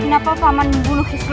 kenapa paman membunuh hislon